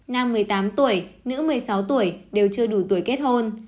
nam một mươi tám tuổi nữ một mươi sáu tuổi đều chưa đủ tuổi kết hôn